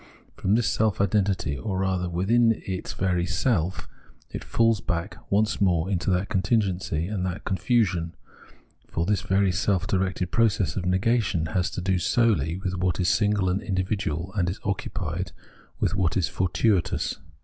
From this self identity, or rather within its very self, it falls back once more into that contingency and con fusion, for this very self directed process of negation has to do solely with what is single and individual, and is occupied with what is fortuitous.